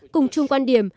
cùng chung quan điểm